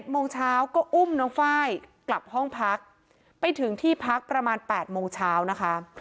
โมงเช้าก็อุ้มน้องไฟล์กลับห้องพักไปถึงที่พักประมาณ๘โมงเช้านะคะ